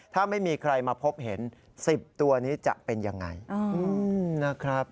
ถ้าไม่มีใครมาพบเห็น๑๐ตัวนี้จะเป็นยังไงนะครับ